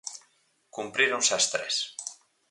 Cumpríronse as tres.